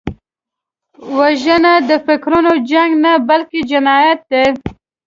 وژنه د فکرونو جنګ نه، بلکې جنایت دی